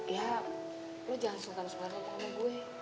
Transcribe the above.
ya lo jangan sungkan semuanya sama gue